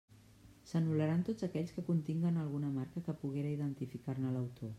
S'anul·laran tots aquells que continguen alguna marca que poguera identificar-ne l'autor.